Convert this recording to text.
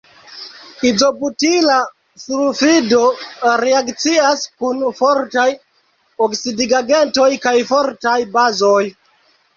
Izobutila sulfido reakcias kun fortaj oksidigagentoj kaj fortaj bazoj.